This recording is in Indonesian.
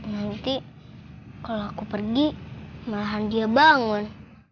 nanti kalau aku pergi malahan dia bangun